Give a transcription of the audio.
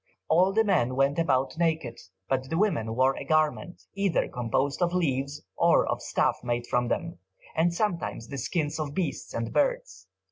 All the men went about naked, but the women wore a garment, either composed of leaves or of stuff made from them, and sometimes the skins of beasts and birds.